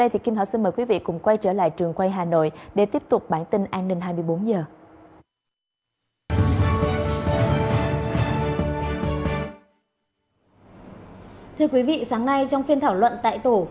thưa quý vị sáng nay trong phiên thảo luận tại tổ